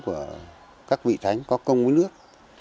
của các vị thánh có công với nước